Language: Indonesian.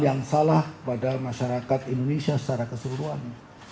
yang salah pada masyarakat indonesia secara keseluruhan